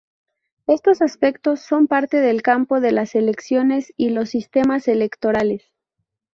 Estos aspectos son parte del campo de las elecciones y los sistemas electorales.